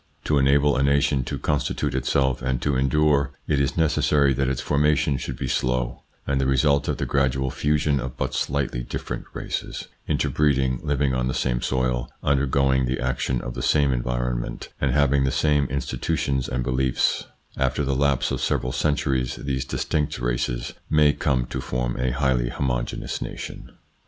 To enable a nation to constitute itself and to endure, it is necessary that its formation should be slow, and the result of the gradual fusion of but slightly different races, interbreeding, living on the same soil, undergoing the action of the same environ ment, and having the same institutions and beliefs After the lapse of several centuries these distinct races may come to form a highly homogeneous nation.